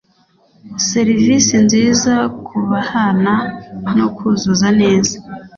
Serivisi nziza kubahana no kuzuza neza